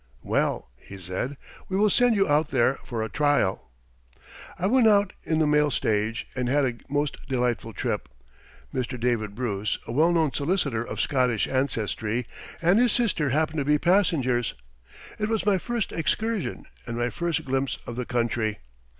"Well," he said, "we will send you out there for a trial." I went out in the mail stage and had a most delightful trip. Mr. David Bruce, a well known solicitor of Scottish ancestry, and his sister happened to be passengers. It was my first excursion, and my first glimpse of the country.